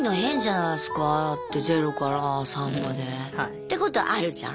ってことはあるじゃん？